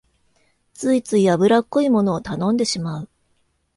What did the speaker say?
ついつい油っこいものを頼んでしまう